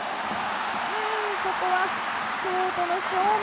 ここはショートの正面。